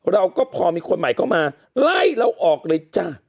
เราก็พอมีคนใหม่เข้ามาไล่เราออกเลยจ้ะ